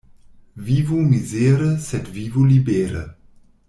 Vivu mizere, sed vivu libere!